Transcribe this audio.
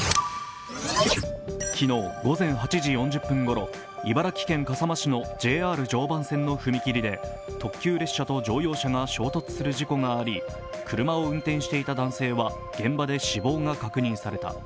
昨日午前８時４０分ごろ、茨城県笠間市のＪＲ常磐線の踏切で特急列車と乗用車が衝突する事故があり、車を運転していた男性は現場で死亡が確認された。